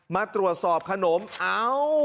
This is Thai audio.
มาตรวจสอบขนมเอ้าวววววววว